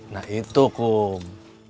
nah itu kum